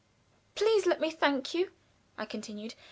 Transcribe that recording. "Please let me thank you," I continued.